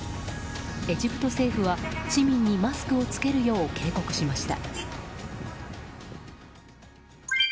エジプト政府は、市民にマスクを着けるよう警告しました。